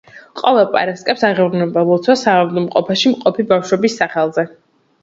ყოველ პარასკევს აღევლინება ლოცვა საავადმყოფოში მყოფი ბავშვების სახელზე.